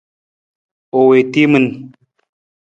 U wii timin.